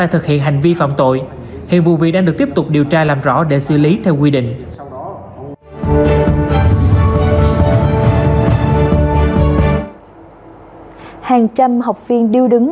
hàng trăm học viên điêu đứng